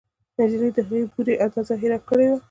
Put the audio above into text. نجلۍ د هغه د بورې اندازه هېره کړې وه